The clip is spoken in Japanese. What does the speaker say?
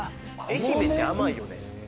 愛媛って甘いよね